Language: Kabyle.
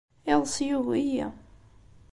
Iḍes yugi-iyi.